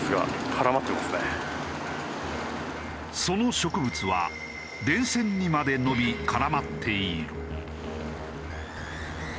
その植物は電線にまで伸び絡まっている。